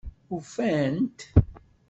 Ufant-t?